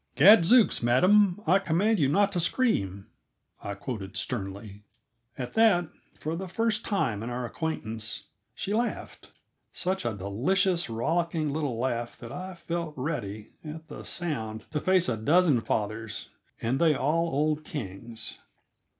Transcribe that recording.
"Gadzooks, madam! I command you not to scream," I quoted sternly. At that, for the first time in our acquaintance, she laughed; such a delicious, rollicky little laugh that I felt ready, at the sound, to face a dozen fathers and they all old Kings.